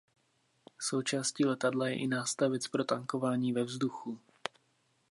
Součástí letadla je i nástavec pro tankování ve vzduchu.